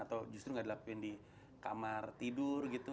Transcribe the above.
atau justru nggak dilakuin di kamar tidur gitu